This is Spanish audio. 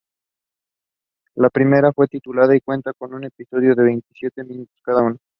La primera fue titulada y cuenta con dos episodios de veintisiete minutos cada uno.